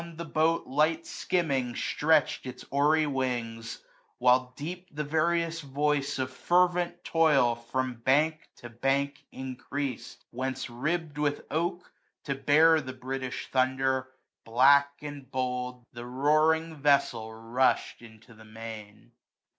The boat, light skimming, stretch'd its oary wings ; While deep the various voice of fervent toil 13a From bank to bank increased ; whence ribb'd with oak. To bear the British Thunder, black, and bold,* The roaring vessel rush'd into the main.